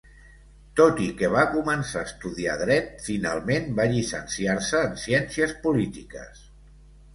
Tot i que va començar a estudiar Dret finalment va llicenciar-se en Ciències polítiques.